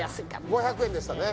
５００円でしたね